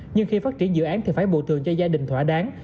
nhưng khi phát triển dự án thì phải bồi thường cho gia đình thỏa đáng